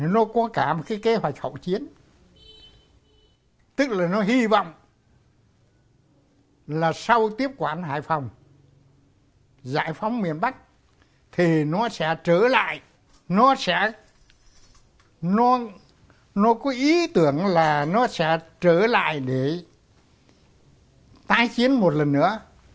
nó có cả một cái kế hoạch hậu chiến tức là nó hy vọng là sau tiếp quản hải phòng giải phóng miền bắc thì nó sẽ trở lại nó có ý tưởng là nó sẽ trở lại để tái chiến một lần nữa